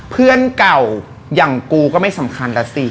เพื่อนเก่าอย่างกูก็ไม่สำคัญแล้วสิ